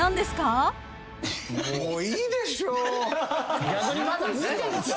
もういいでしょう。